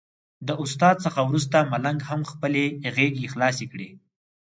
د استاد څخه وروسته ملنګ هم خپلې غېږې خلاصې کړې.